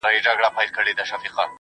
نو په مخه د هغه وخت حالات راته راځي